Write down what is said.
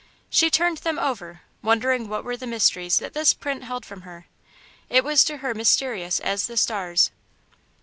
She turned them over, wondering what were the mysteries that this print held from her. It was to her mysterious as the stars.